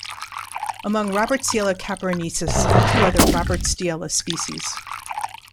Among "Robertsiella kaporenisis" are two other "Roberstiella" species.